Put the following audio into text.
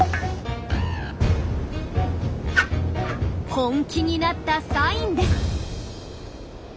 本気になったサインです。